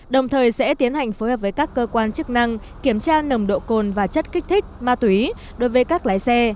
đồng thời sẽ tiến hành phối hợp với các cơ quan chức năng kiểm tra nồng độ cồn và chất kích thích ma túy đối với các lái xe